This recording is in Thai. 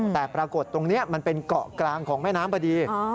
แต่ปรากฏตรงนี้มันเป็นเกาะกลางของแม่น้ำพอดี